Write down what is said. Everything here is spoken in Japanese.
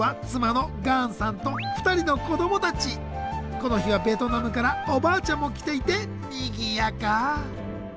この日はベトナムからおばあちゃんも来ていてにぎやか。